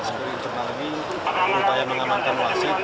sendiri internal ini berupaya mengamankan wasit